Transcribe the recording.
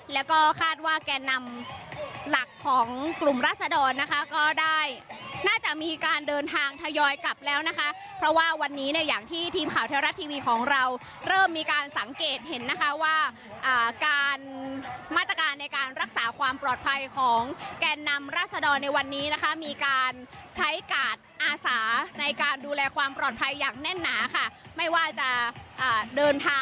แล้วก็คาดว่าแกนนำหลักของกลุ่มราศดรนะคะก็ได้น่าจะมีการเดินทางทยอยกลับแล้วนะคะเพราะว่าวันนี้เนี่ยอย่างที่ทีมข่าวเทวรัฐทีวีของเราเริ่มมีการสังเกตเห็นนะคะว่าการมาตรการในการรักษาความปลอดภัยของแกนนำราศดรในวันนี้นะคะมีการใช้กาดอาสาในการดูแลความปลอดภัยอย่างแน่นหนาค่ะไม่ว่าจะเดินท